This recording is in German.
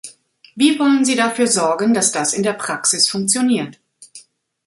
Wie wollen Sie dafür sorgen, dass das in der Praxis funktioniert?